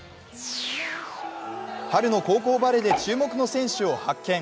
春の高校バレーで注目の選手を発見。